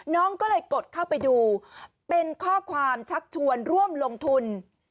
น้องก็เลยกดเข้าไปดูเป็นข้อความชักชวนร่วมลงทุน